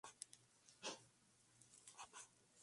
Dentro del bosque hay tres enterramientos de la Edad de Bronce.